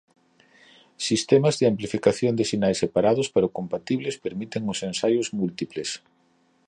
Sistemas de amplificación de sinais separados pero compatibles permiten os ensaios múltiples.